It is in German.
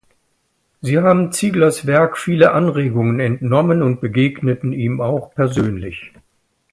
Sie haben Zieglers Werk viele Anregungen entnommen und begegneten ihm auch persönlich.